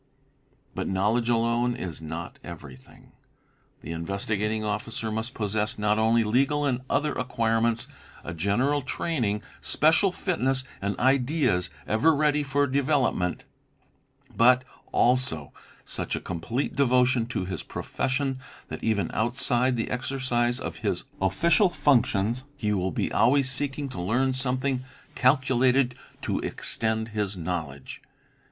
: But knowledge alone is not everything. The Investigating Officer must possess not only legal and other acquirements, a general training, special fitness, and ideas ever ready for development, but also such a complete devotion to his profession that even outside the exercise of his | official functions he will be always seeking to learn something calculated to extend his knowledge.